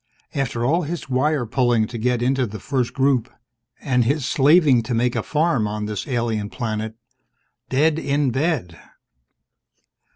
After all his wire pulling to get into the First Group, and his slaving to make a farm on this alien planet, dead in bed!